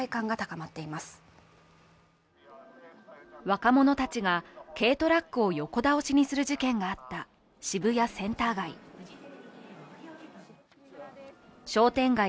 若者たちが軽トラックを横倒しにする事件があった渋谷センター街。